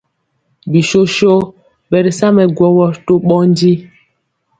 Bisoso ɓɛ ri sa mɛ gwɔwɔ to ɓɔndi.